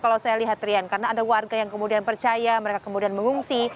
kalau saya lihat rian karena ada warga yang kemudian percaya mereka kemudian mengungsi